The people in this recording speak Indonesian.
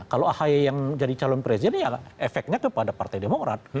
kalau ahy yang jadi calon presiden ya efeknya kepada partai demokrat